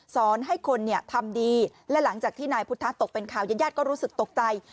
สอนให้คนทำดีและหลังจากที่นายพุทธะตกเป็นข่าวญาติญาติก็รู้สึกตกใจ